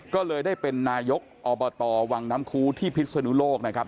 ก็เลยได้เป็นนายกอบตวังน้ำคูที่พิศนุโลกนะครับ